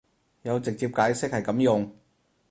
有直接解釋係噉用